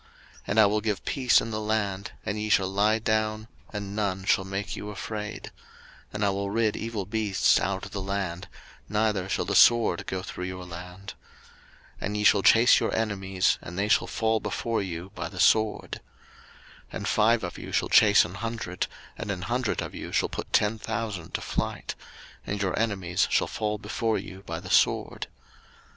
03:026:006 And I will give peace in the land, and ye shall lie down, and none shall make you afraid: and I will rid evil beasts out of the land, neither shall the sword go through your land. 03:026:007 And ye shall chase your enemies, and they shall fall before you by the sword. 03:026:008 And five of you shall chase an hundred, and an hundred of you shall put ten thousand to flight: and your enemies shall fall before you by the sword.